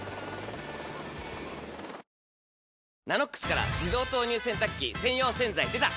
「ＮＡＮＯＸ」から自動投入洗濯機専用洗剤でた！